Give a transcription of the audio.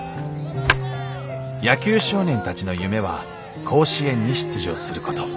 野球少年たちの夢は甲子園に出場すること。